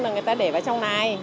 là người ta để vào trong này